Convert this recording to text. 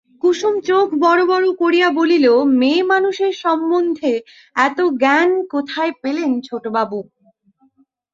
কুসুম চোখ বড় বড় করিয়া বলিল, মেয়েমানুষের সম্বন্ধে এত জ্ঞান কোথায় পেলেন ছোটবাবু?